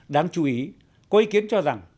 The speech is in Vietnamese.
đáng chú ý có ý kiến cho rằng